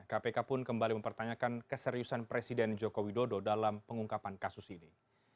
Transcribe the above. kpk pun kembali mempertanyakan keseriusan presiden joko widodo dalam pengungkapan kasus ini